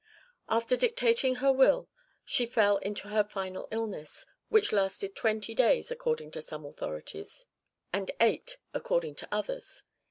After dictating her will she fell into her final illness, which lasted twenty days according to some authorities, and eight according to others.